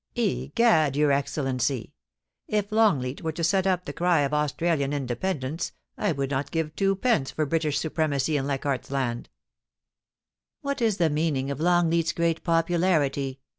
* Egad, your Excellency, if Longleat were to set up the cry of Australian independence I would not give twopence for British supremacy in Leichardt's Land.' 296 POLICY AND PASSION. 'What b the meaning of Longleat's great popularity?